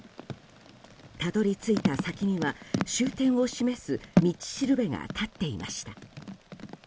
たどり着いた先には終点を示す道しるべが立っていました。